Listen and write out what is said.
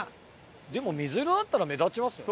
でも水色だったら目立ちますよね。